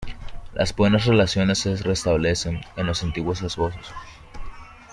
Las buenas relaciones se restablecen entre los antiguos esposos.